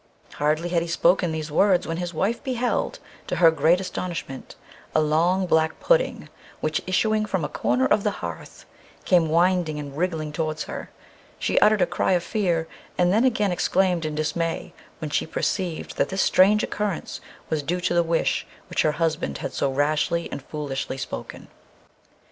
Hardly had he spoken these words when his wife beheld, to her great astonishment, a long black pudding which, issuing from a corner of the hearth, came winding and wriggling towards her. She uttered a cry of fear, and then again exclaimed in dismay, when she perceived that this strange occurrence was due to the wish which her husband had so rashly and foolishly spoken.